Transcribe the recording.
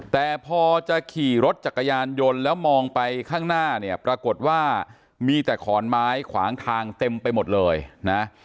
แต่พอจะขี่รถจักรยานยนต์แล้วมองไปข้างหน้าเนี่ยปรากฏว่ามีแต่ขอนไม้ขวางทางเต็มไปหมดเลยนะ